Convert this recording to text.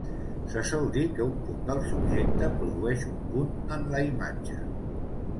Se sol dir que un punt del subjecte produeix un punt en la imatge.